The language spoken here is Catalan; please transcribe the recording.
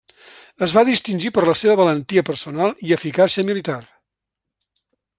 Es va distingir per la seva valentia personal i eficàcia militar.